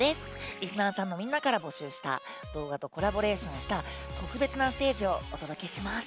りすなーさんのみんなから募集した動画とコラボレーションした特別なステージをお届けします。